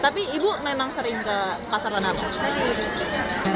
tapi ibu memang sering ke pasar tanah abang